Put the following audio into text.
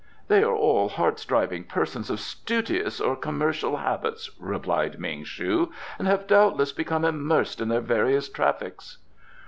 "They are all hard striving persons of studious or commercial habits," replied Ming shu, "and have doubtless become immersed in their various traffics."